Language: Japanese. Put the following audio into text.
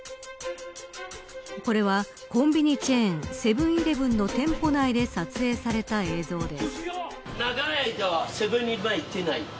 これはコンビニチェーンセブン‐イレブンの店舗内で撮影された映像です。